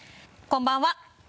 こんばんは。